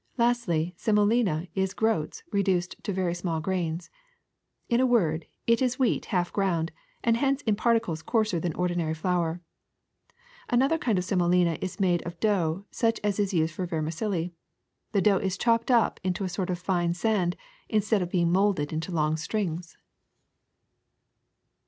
Lastly, semolina is groats reduced to very small grains. In a word, it is wheat half ground and hence in parti cles coarser than ordinary flour. Another kind of semolina is made of dough such as is used for ver micelli: the dough is chopped up into a sort of fine sand instead of being molded in long strings.